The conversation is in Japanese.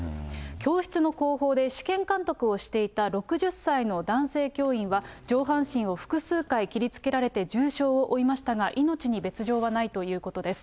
教室の後方で試験監督をしていた６０歳の男性教員は、上半身を複数回切りつけられて重傷を負いましたが、命に別状はないということです。